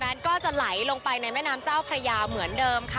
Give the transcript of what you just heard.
นั้นก็จะไหลลงไปในแม่น้ำเจ้าพระยาเหมือนเดิมค่ะ